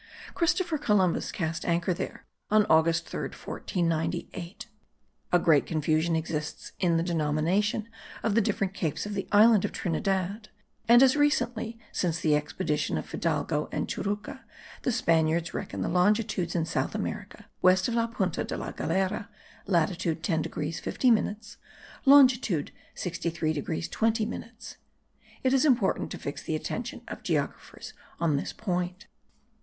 Christopher Columbus cast anchor there on August 3, 1498. A great confusion exists in the denomination of the different capes of the island of Trinidad; and as recently, since the expedition of Fidalgo and Churruca, the Spaniards reckon the longitudes in South America west of La Punta de la Galera (latitude 10 degrees 50 minutes, longitude 63 degrees 20 minutes), it is important to fix the attention of geographers on this point.